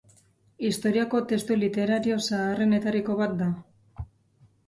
Historiako testu literario zaharrenetariko bat da.